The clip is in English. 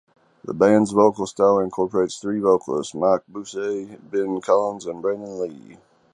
The band's vocal style incorporates three vocalists: Mike Busse, Ben Collins and Brandon Lee.